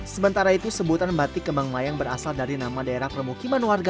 sementara itu sebutan batik kembang melayang berasal dari nama daerah permukiman warga